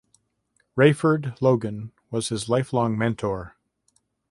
Rayford Logan was his lifelong mentor.